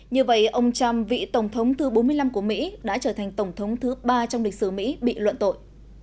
như vậy ông trump vị tổng thống thứ bốn mươi năm của mỹ đã trở thành tổng thống thứ ba trong lịch sử mỹ bị luận tội